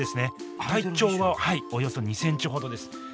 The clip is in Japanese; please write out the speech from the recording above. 体長はおよそ２ｃｍほどです。